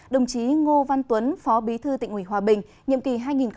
đồng chí ngô văn tuấn phó bí thư tỉnh ủy hòa bình nhiệm kỳ hai nghìn một mươi năm hai nghìn hai mươi năm